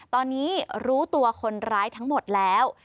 ตอนนี้รู้ตัวคนร้ายทั้งหมดแล้ว